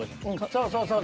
そうそうそう。